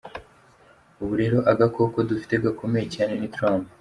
Ubu rero agakoko dufise gakomeye cyane ni Trump.